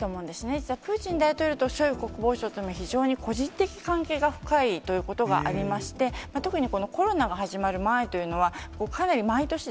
実はプーチン大統領とショイグ国防相というのは、非常に個人的関係が深いということがありまして、特にこのコロナが始まる前というのは、かなり毎年、